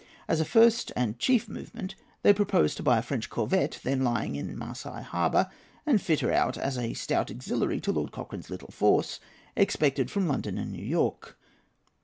As a first and chief movement they proposed to buy a French corvette, then lying in Marseilles Harbour, and fit her out as a stout auxiliary to Lord Cochrane's little force expected from London and New York.